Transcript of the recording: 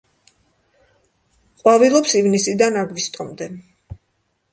ყვავილობს ივნისიდან აგვისტომდე.